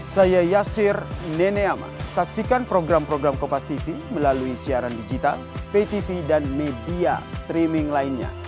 saya yasir nene amar saksikan program program kompastv melalui siaran digital ptv dan media streaming lainnya